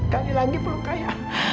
kali lagi perlu kaya